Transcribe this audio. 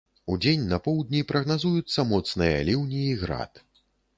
Удзень на поўдні прагназуюцца моцныя ліўні і град.